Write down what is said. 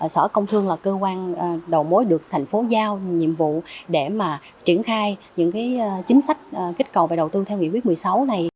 sở công thương là cơ quan đầu mối được thành phố giao nhiệm vụ để triển khai những chính sách kích cầu về đầu tư theo nghị quyết một mươi sáu này